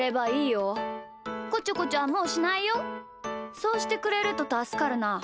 そうしてくれるとたすかるな。